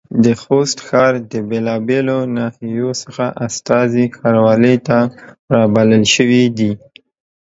د خوست ښار د بېلابېلو ناحيو څخه استازي ښاروالۍ ته رابلل شوي دي.